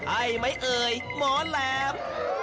ให้มั้ยเอ่ยหมอแหลบ